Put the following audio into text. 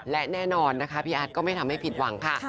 และแน่นอนนะคะพี่อาร์ทก็ไม่ทำให้ผิดหวังค่ะ